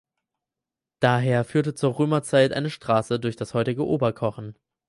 Daher führte zur Römerzeit eine Straße durch das heutige Oberkochen.